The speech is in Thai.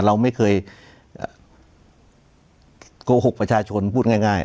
เราไม่เคยโกหกประชาชนพูดง่าย